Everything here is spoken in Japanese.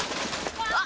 あっ！！